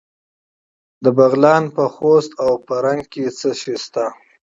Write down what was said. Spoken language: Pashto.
د بغلان په خوست او فرنګ کې څه شی شته؟